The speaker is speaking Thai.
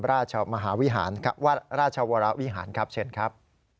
ราชวราวิหารครับเชิญครับ